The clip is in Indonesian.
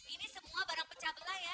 ini semua barang pecah belah ya